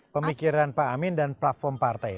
pemikiran pak amin dan platform partai